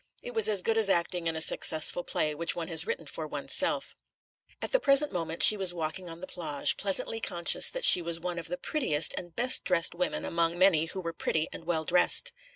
It was as good as acting in a successful play which one has written for oneself. At the present moment she was walking on the plage, pleasantly conscious that she was one of the prettiest and best dressed women among many who were pretty and well dressed.